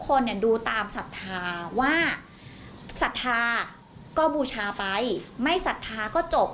คนเนี่ยดูตามศรัทธาว่าศรัทธาก็บูชาไปไม่ศรัทธาก็จบ